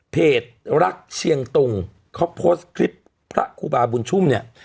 รักเชียงตุงเขาโพสต์คลิปพระครูบาบุญชุ่มเนี่ย